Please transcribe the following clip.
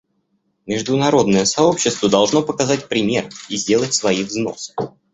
Международное сообщество должно показать пример и сделать свои взносы.